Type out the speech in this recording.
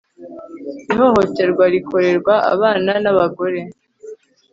ihohoterwa rikorerwa abana n'abagore